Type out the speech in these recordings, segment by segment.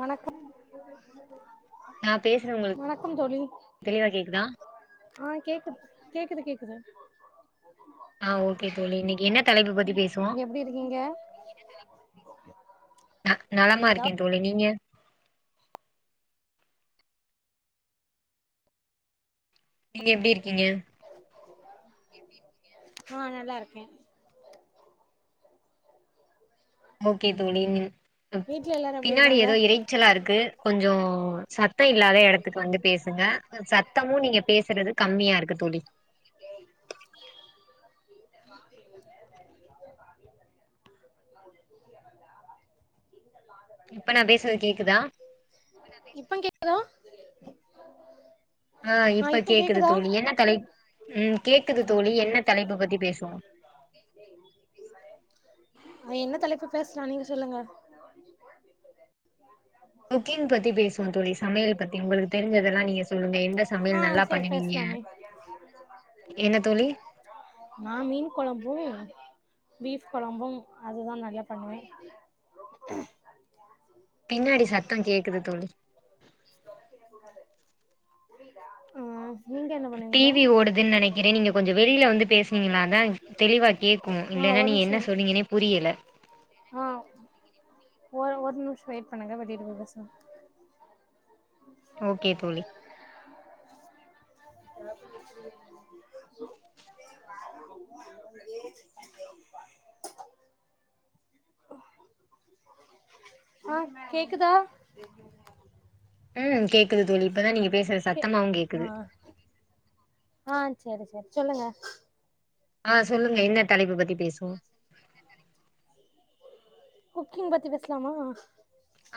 வணக்கம் நா பேசுறது உங்களுக்கு வணக்கம் தோழி தெளிவா கேக்குதா ஆ கேக்குது கேக்குது கேக்குது ஆ ஓகே தோழி இன்னக்கி என்ன தலைப்பு பத்தி பேசுவோ எப்டி இருக்கீங்க நலமா நீதா இருக்கே தோழி நீங்க நீங்க எப்டி இருக் கிங்க ஆ நல்லாருக்கே ஓகே தோழி ம் வீட்ல எல்லாரு எப்டி பின்னாடி இருக்காங்க எதோ இரைச்சலாருக்கு கொஞ்சோ ச த்தம் இல்லாத எடத்துக்கு வந்து பேசுங்க சத்தமும் நீங்க பேசுறது கம்மியாருக்கு தோழி [inaudible] இப்ப நா பேசறது கேக்குதா இப்ப கேக்குதா ஆ இப்ப கேக்குது தோழி என்ன தலைப்பு ம் கேக்குது தோழி என்ன தலைப்பு பத்தி பேசுவோ ஆ என்ன தலைப்பு பேசலா நீங்க சொல்லுங்க குக்கிங் பத்தி பேசுவோ தோழி சமையல் பத்தி உங்களுக்கு தெரிஞ்சதெல்லா நீங்க சொல்லுங்க எந்த ஆ சமையல் நல்லா சரி பண்ணுவீங்க பேசலாமே என்ன தோழி நா மீன் [unintelligible] பீஃப் கொழம்பு அதுதா நறய பண்ணுவே பின்னாடி சத்தங் கேக்குது தோழி [unintelligible] சொன்னது புரியிதா ஆ நீங்க என்ன பண்ணுவீங்க டீவி ஓடுதுன் நெனைக்கிறே நீங்க கொஞ்சொ வெளில வந்து பேச்னீங்னான தெளிவா கேட்கு ஆ இல்லனா ஒரு நீ நிமிஷோ என்ன சொன்னிங்கெனே புரியெல ஆ ஒரு ஒரு நிம்ஷ வெயிட் பண்ணங்க [unintelligible] ஓக்கே தோழி [inaudible] ஆ கேக்குதா ம் கேக்குது தோழி இப்பதா நீங்க பேசுற கே சத்தமாவு கேக்குது சேரி சேரி சொல்லுங்க ஆ சொல்லுங்க என்ன தலைப்பு பத்தி பேசுவோ குக்கிங் பத்தி பேஸ்லாமா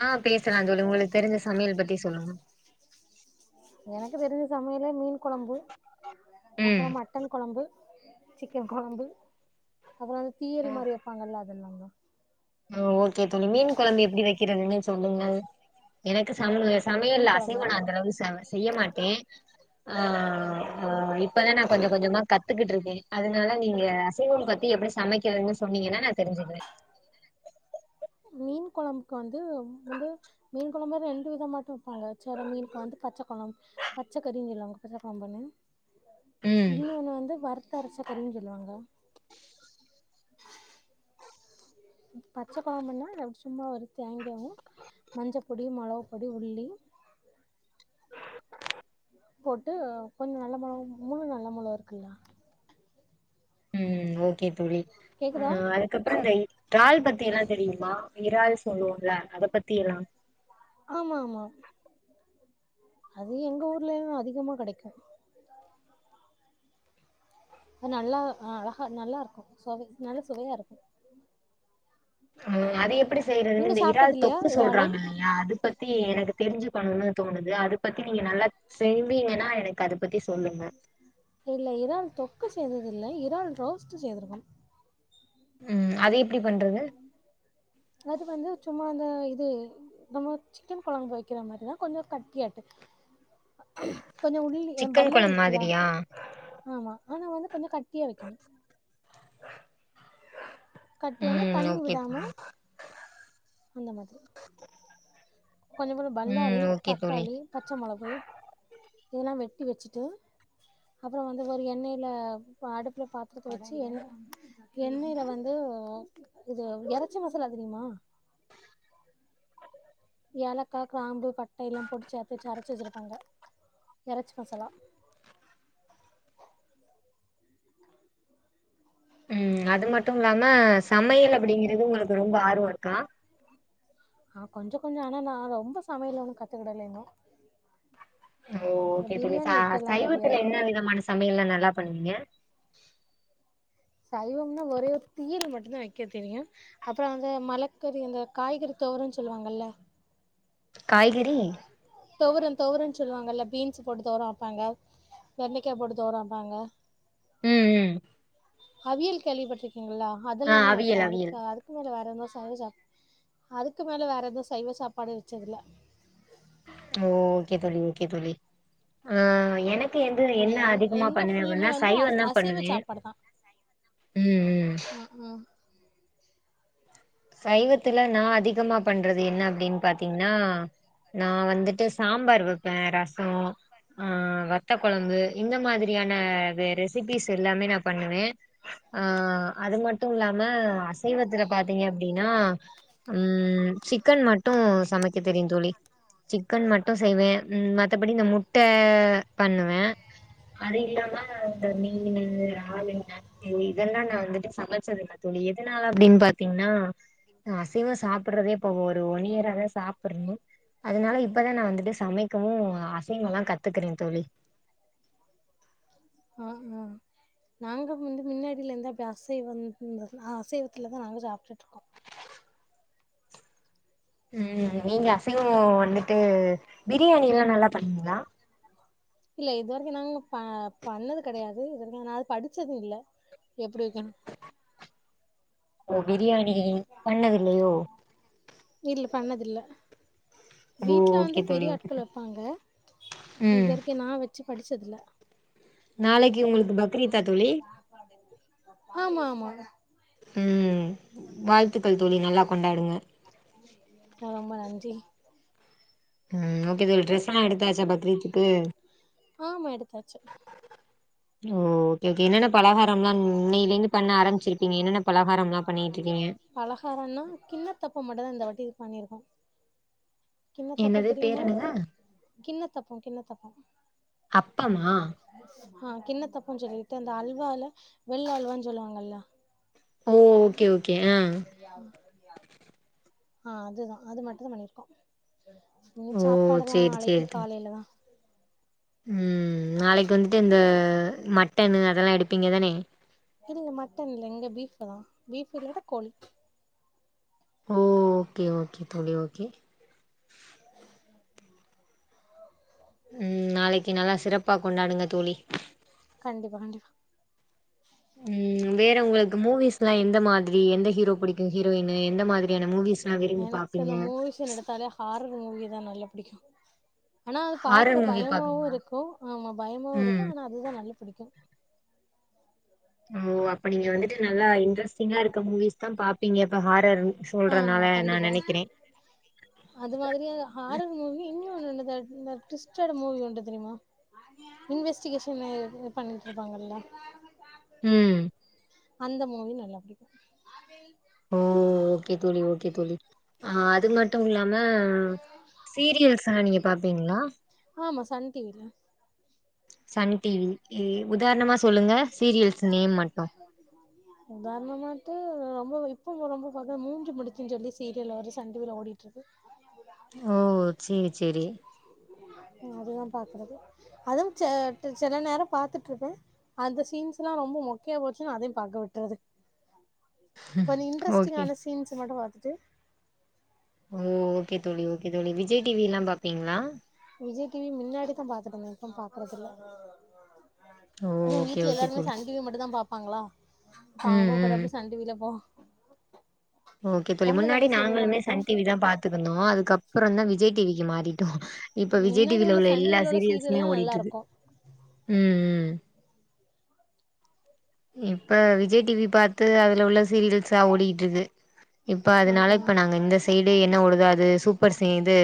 ஆ பேசலா தோழி உங்களுக் தெரிஞ்ச சமையல் பத்தி சொல்லுங்க எனக்கு தெரிஞ்ச சமையலே மீன் கொழம்பு ம் அப்றோ மட்டன் கொழம்பு சிக்கன் கொழம்பு அப்புறோ தீயர்ரி மாரி வெப்பங்கல்ல இதல்லாங்க ஆ ஓகே தோழி மீன் கொழம்பு எப்டி வெக்கிறதுன்னு சொல்லுங்க எனக்கு ஸ் சமைய மீன் சமையல்ல அசைவோ கொழம்பா நா அந்த அளவு சவ் செய்யே மாட்டே ஆஹ் அ இப்பதா நா கொஞ்சோ கொஞ்சமா கத் கத்துக்கிட்டுருக்கே அதனால நீங்க அசைவோ பத்தி எப்டி சமைக்கிறதுன்னு சொன்னீங்கனா நா தெரிஞ்சுக்குவே மீன் கொழம்புக்கு வந்து வந்து மீன் கொழம்பு ரெண்டு விதமாட்டு வெப்பாங்க செல மீனுக்கு வந்து பச்ச கொழம் பச்சக்கறி [unintelligible] கொழம்புன்னு ம் இன்னொன்னு வந்து வருத்த அரெச்சக்கறின் சொல்வாங்க பச்ச கொழம்புன்னா சும்மா ஒரு தேங்காவு மஞ்சப் பொடி மொளவு பொடி உள்ளி போட்டு கொஞ்சோ நல்ல மொளக் முழு மொளா மொளாகாருக்குல்ல ம் ஓகே தோழி அ கேக்குதா அதுக்கப்புறோ ரெ ட்றால் பத்தி எதாவது தெரியுமா இறால் சொல்லுவோம்ல அதப்பத்தி எல்லாம் ஆமா ஆமாம் அதா எங்க ஊர்லயு அதிகமா கடைக்கு அ நல்லா ஆ அழகா நல்லாருக்கு சொவை நல்ல சுவையாருக்கு ஆ அது எப்பிடி செய்றது இந்த இறால் சாப்ட்டது இல்லையா தொக்கு இறாலு சொல்றாங்கல்ல அது பத்தி ஏ எனக்கு தெரிஞ்சுக்கன்ணு தோணுது அதுப்பத்தி நீங்க நல்லா செய் விங்கனா எனக்கு அதுப்பத்தி சொல்லுங்க இல்ல இறால் தொக்கு செய்தது இல்ல இறால் ரோஸ்ட் செய்திருக்கோம் ம் அது எப் அது வந்து சும்மா அந்த இது நம்ம சிக்கன் கொழம்பு வெக்கற மாரிதா கொஞ்சே கட்டியாட்டு கொஞ்சோ உள்ளி சிக்கன் பல்லாரி கொழம்பு இருக்குலா மாதிரியா ஆமா ஆனா வந்து கொஞ்சோ கட்டியா வெக்கணு கட்டியான ம் தண்ணி ஓகே விடாம தோழி அந்த மாதிரி கொஞ்சோ ம் பல்லாரி ஓகே தோழி தக்காளி பச்ச மொளவு இதெல்லா வெட்டி வெச்சுட்டு அப்புறோ வந்து ஒரு எண்ணெய்ல அடுப்புல பாத் தரத்த வெச்சு எண் எண்ணெய்ல வந்து இது எறச்சி மசாலா தெரியுமா ஏலக்கா க்ராம்பு பட்டையில்லா பொடிச்சி [unintelligible] அரச்சு வெச்சுருக் வாங்க எறச்சி மசாலா ம் அது மட்டு இல்லாம அ சமையல் அப்பிடிங்கறது உங்குளுக்கு ரொம்ப ஆர்வோ இருக்கா ஆ கொஞ்சோ கொஞ்சோ ஆனா நா ரொம்ப சமையல் ஒன்னு கத்துக்கெடலங்க ஓகே இப்ப நீ ச சைவத்துல தெரியாது என்ன விதமான சமையல்லா நல்லா பண்ணுவீங்க சைவம்னா ஒரே தியரி மட்டுந்தா வெக்கத் தெரியு அப்பறோ வந்து மலக்கறி அந்த காய்கறி தோருன் சொல்லுவாங்கல்ல காய்கறி தொவரன் சொல்லுவாங்கல்ல பீன்ஸு போட்டு தொவரொ வெப்பாங்க வெண்டெக்காப் போட்டு தொவரொ வெப்பாங்க ம் ம் அவியல் கேள்விப்பட்ருக் கிங்ளா ஆ அதுல்லா தா வெப்போ அவியல் அவியல் அதுக்கு அதுக்கு மேல வ [unintelligible] அதுக்கு மேல வேற எந்த சைவ சாப்பாடு வெச்சதில்ல ஓகே தோழி ஓகே தோழி ஆ எனக் கு எந்து என்ன எங் அதிகமா எங்க பண்ணுவே ஃபுல்லுமே அப்டினா வந்து அ சைவந்தா அசைவ பண்ணுவே சாப்பாடு தா ம் ம் சைவத்துல நா அதிகமா பண்றது என்ன அப்டின் பாத்தீங்கன்னா நா வந்துட்டு சாம்பார் வெப்பே ரசோ ஆ வத்தக் கொழம்பு இந்த மாதிரியான ரெ ரெசிபிஸ் எல்லாமே நா பண்ணுவே ஆ அது மட்டு இல்லாம அசைவத்துல பாத் தீங்க அப்டின்னா ம் சிக்கன் மட்டு சமைக்க தெரியு தோழி சிக்கன் மட்டு செய்வே ம் மத்தபடி இந்த முட்ட பண்ணுவே அது இல்லாம இந்த மீனு இறாலுங்க சேரி இதல்லா நா வந்துட்டு சமச்சதில்ல தோழி எதுனால அப்டின் பாத் தீங்னா நா அசைவொ சாப்புட்றதே இப்போ ஒரு ஒன் இயரா சாப்புர்ணு அதுனால இப்பதா நா வந்துட்டு சமைக்கவு அசைவொலா கத்துக்குறே தோழி ம் ம் நாங்க முந்து முன்னாடியிலேருந்து அப் அசைவந் ம் ஆ அசைவத்துலதா நாங்க சாப்டுட்ருக்கோ ம் நீங்க அசைவோ வந்துட்டு பிரியாணி எல்லா நல்லா பண்ணுவீங்களா இல்ல இது வரிக்கு நாங்க ப பண்ணது கடையாது இது வரிக்கு நா அது படிச்சது இல்ல எப்டி வெக்கன் ஓ பிரியாணி பண்ணதில்லயோ இல்ல பண்ணதில்ல வீட்ல வந்து ஓகே தோழி பெரிய ஓகே ஆட்கள் வெப்பாங்க இது ம் வரிக்கும் நா வெச்ச படிச்சதில்ல நாளக்கி உங்களுக்கு பக் ரீதா தோழி ஆமா ஆமா ம் வாய் அ ரொம்ப நன்றி ம் ஓகே தோழி ட்ரெஸ்லா எடுத்தாச்சா பக்ரீத்துக்கு ஆமா எடுத்தாச்சு ஓ ஓகேகே என்னன்னப் பலகாரம்லா இனைய்லேருந்து பண்ண ஆரம்பிச்சிருப்பிங்க என்னென்ன பலகாரம்லா பண்ணிட்ருக்கீங்க டி பண்ணியிருக்கோ கின்னத்தப்பொ என்னது தெரியுமா பேர் என்னங்க கின்னத்தப்பொ கின்னத்தப்பொ அப்பமா ஆஹ் கின்ன தப்பம் சொல்லிட்டு அந்த அல்வால வெள்ள அல்வான்னு சொல்லுவாங்கல்லா ஓ ஓகே ஓகே ஆ ம் ஆஹ் அதுதா அது மட்டுந்தா பண்ணிருக்கோ இனி ஓ சாப்பாடுல்லா சேரி நாளைக்கி சேரி தோழி காலையிலதா ம் நாளைக்கு வந்துட்டு இந்த மட்டனு அதெல்லா எடுப்பீங்க தானே இங்க மட்டன் இல்ல இங்க பீப் பதா பீப் இல்லாட கோழி ஓ ஓகே ஓகே தோழி ஓகே உம் நாளிக்கு நல்லா சிறப்பா கொண்டாடுங்க தோழி கண்டிப்பா கண்டிப்பா உம் வேற உங்களுக்கு மூவிஸ்லாம் எந்த மாதிரி எந்த ஹீரோ பிடிக்கும் ஹீரோயினி எந்த மாதிரியான மூவிஸ் எனக்கு இந்த மூவிஸ்னு எடுத்தாலே ஹாரர் மூவிஸ்தா நல்லா புடிக்கும் ஆனா அது ஹாரர் பாக்க மூவி பயமாவும் பாப்பீங்களா இருக்கும் ஆமா பயமாவும் ம் இருக்கும் ஆனா அதுதா நல்லா பிடிக்கும் ஓ அப்ப நீங்க வந்துட்டு நல்லா இன்ட்ரெஸ்டிங்கா இருக்க மூவிஸ் தா பாப்பீங்க இப்ப ஹாரர் ஆமா சொல்றனால நா கண்டிப்பா நெனைக்கிறே அது மாதிரியா ஆஹாரர் மூவி இன்னு உம் இந்த த ந்த டுவிஸ்டேட் மூவி உண்டு தெரியுமா இன்வெஸ்டிகேஷன் பண்ணிட்டு இருப்பாங்கல்ல உம் அந்த மூவி நல்லா புடிக்கு ஓ ஓகே தோழி ஓகே தோழி ஆஹ் [unintelligible] ட்டும் இல்லாம சீரியல்ஸ்லா நீங்க பாப்பீங்களா ஆமா சன் டிவில சன் டிவி இ‌ உதாரணமா சொல்லுங்க சீரியல்ஸ் நேம் மட்டு உதாரணம் வந்து ரொம்ப இப்பவும் ரொம்ப பாத்தா மூன்று முடிச்சுனு சொல்லி சீரியல ஒரு சன் டிவில ஓடிட்டு இருக்கு ஓ சேரி செரி அதுதா பாக்குறது அதுவு சில நேரம் பாத்துட்டு இருப்ப அந்த சீன்ஸ்லா எல்லா ரொம்ப மொக்கையா போச்சுன்னா அதயும் பார்க்க விட்றது கொஞ்ச ஓகே இன்ட்ரஸ்டிங்கான சீன்ஸ் மட்டும் து ஓ ஓகே தோழி ஓகே தோழி விஜய் டிவி எல்லா பாப்பிங்களா விஜய் டிவி மின்னாடி தா பாத்துட்டு இருந்த இப்ப பாக்குறது ஓ இல்ல ஓகே வீட்ல ஓகே எல்லாருமே தோழி சன் டிவி மட்டும் தா பாப்போ பாங்களா அப்போ ம் அவங்க கூட ம் போய் சன் டிவில போ ஓகே தோழி உங்களுக்கு முன்னாடி என்ன சீரியல்லா நாங்களுமே புடிக்கு சன் டிவி தா பாத்துட்டு இருந்தோ அதுக்கு அப்புறம் தா விஜய் டிவிக்கு மாறிட்டோம் இப்ப விஜய் மின்னாடி டிவில உள்ள சன் எல்லா டிவில உள்ள சீரியல்சுமே சீரியல்லா ஓடிட்டு இருக்கு நல்லாருக்கு ம் உம் இப்ப விஜய் டிவி பாத்து அதுல உள்ள சீரியல்சா ஓடிட்டு இருக்கு இப்ப ஆ அதனால ஆ இப்ப நாங்க இந்த சைடு என்ன ஓடுதோ அது சூப்பர் சேத்து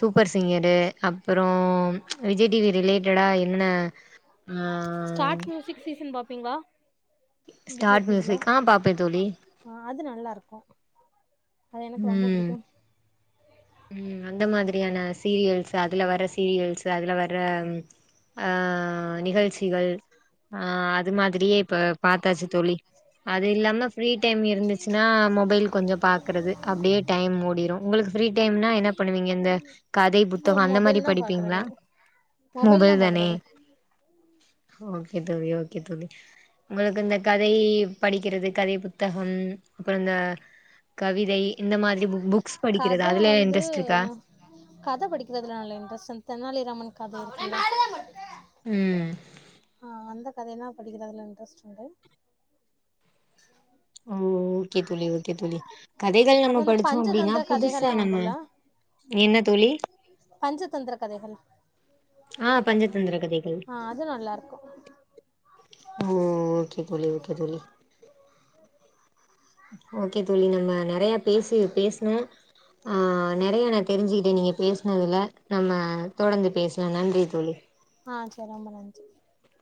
சூப்பர் சிங்கர் அப்புறம் விஜய் டிவி ரிலேட்டடா என்னென்ன ஸ்டார்ட் மியூசிக் சீசன் பாப்பீங்களா ஸ்டார்ட் மியூசிக் ஆ பாப்பே தோழி அ அது நல்லா இருக்கு அது எனக்கு ரொம்ப ம் புடிக்கு ம் அந்த மாதிரியான சீரியல்ஸ் அதுல வர சீரியல்ஸ் அதுல வர ஆஹ் நிகழ்ச்சிகள் ஆ அது மாதிரியே இப்ப பாத்தாச்சு தோழி அது இல்லாம ஃப்ரீ டைம் இருந்துச்சுன்னா மொபைல் கொஞ்சொ பாக்குறது அப்படியே டைம் ஓடிரு உங்களுக்கு ஃப்ரீ ட்டைம்னா என்ன பண்ணுவீங்க இந்த கதை இப்போ புத்தகொ அந்த மாரி மொபைல் தா படிப்பிங்களா பாக்குறது தா மொபைல் தானே பாக்குறது ஓகே தோழி ஓகே தோழி உங்களுக்கு இந்த கதை படிக்கிறது கதை புத்தகம் அப்புறொ இந்த கவிதை இந்த மாதிரி பு புக் படிக்கிறது கத அதுல வந்து இன்ட்ரெஸ்ட் இருக்கா கத படிக்கிறதுல நல்ல இன்ட்ரெஸ்ட் தெனாலிராமன் கத் இருக்குல்ல ம் இந்த கதைல்லா படிக்கிறதுல இன்ட்ரஸ்ட் உண்டு ஓ ஓகே தோழி ஓகே தோழி கதைகள் நம்ம அப்றோ இந்த படிச்சோ அப்படின்னா பஞ்சதந்திர புதுசா கதைகள்லா நம்ம உண்டுல்ல என்ன தோழி பஞ்சதந்திர கதைகள் ஆ பஞ்சதந்திர கதைகள் ஆ அது நல்லாருக்கு ஓ ஓகே தோழி ஓகே தோழி ஓக்கே தோழி நம்ம நெறயா பேசி பேஸ்னோ ஆஹ் நெறயா நா தெரிஞ்சி நீங்க பேஸ்னதுல நம்ம தொடந்து பேஸ்லா நன்றி தோழி ஆ [unintelligible]